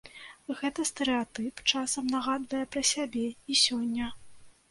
Гэты стэрэатып часам нагадвае пра сябе і сёння.